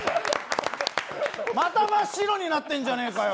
また真っ白になってんじゃねえかよ